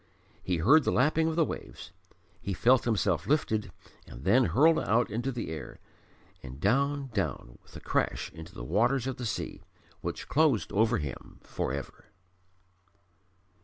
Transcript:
He heard the lapping of the waves. He felt himself lifted and then hurled out into the air, and down down with a crash into the waters of the sea, which closed over him for ever.